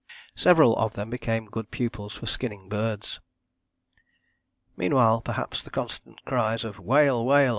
Several of them became good pupils for skinning birds. Meanwhile, perhaps the constant cries of "Whale, whale!"